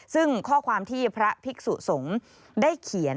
ซึ่งข้อความที่พระภิกษุสงฆ์ได้เขียน